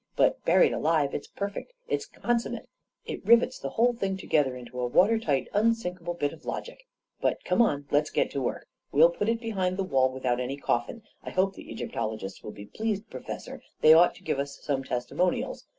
But buried alive ! It's perfect — it's consum mate! It rivets the whole thing together into a water tight, unsinkable bit of logic ! But come on — let's get to work. We'll put it behind the wall with out any coffin — I hope the Egyptologists will be pleased, Professor — they ought to give us some tes timonials